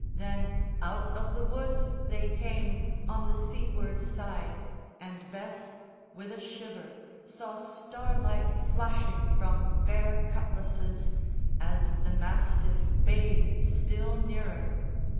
Then out of the woods They came, on the seaward side, and Bess, with a shiver, Saw starlight flashing from bare cutlasses, As the mastiff bayed still nearer.